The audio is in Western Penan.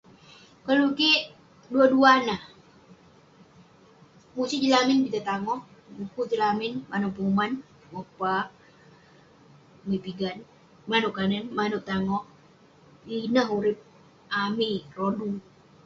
Koluk kik, duah duah neh..musit jin lamin pitah tangoh, mukuk tong lamin, manouk penguman..mopa, muwik pigan, manouk kanen, manouk tangoh, ineh urip amik rodu..